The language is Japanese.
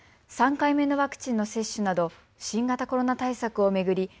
３回目のワクチンの接種など新型コロナ対策を巡り